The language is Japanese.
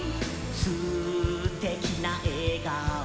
「すてきなえがおで」